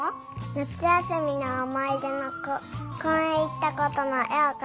なつやすみのおもいでのこうえんいったことのえをかいてるの。